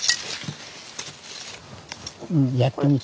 うんやってみて。